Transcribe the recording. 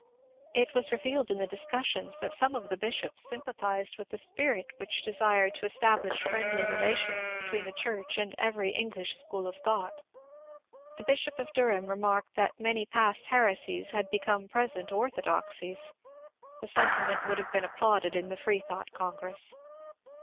It was revealed in the discussion that some of the bishops sympathized with the spirit which desired to establish friendly relations between the Church and every I I '. :r I • t t ,\ f * I. ;♦ P^ ATHEISM 401 English school of thought. The Bishop of Durham remarked that many past heresies had become present orthodoxies. The sentiment would have been applauded in the Freethought Congress.